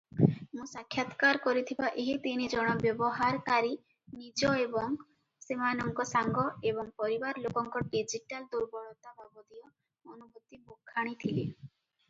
ମୁଁ ସାକ୍ଷାତକାର କରିଥିବା ଏହି ତିନି ଜଣ ବ୍ୟବହାରକାରୀ ନିଜ ଏବଂ ସେମାନଙ୍କ ସାଙ୍ଗ ଏବଂ ପରିବାର ଲୋକଙ୍କ ଡିଜିଟାଲ ଦୁର୍ବଳତା ବାବଦୀୟ ଅନୁଭୂତି ବଖାଣିଥିଲେ ।